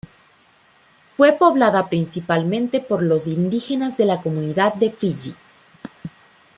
Fue poblada principalmente por los indígenas de la comunidad de Fiyi.